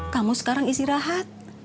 kamu sekarang istirahat